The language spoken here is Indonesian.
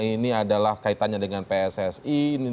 ini adalah kaitannya dengan pssi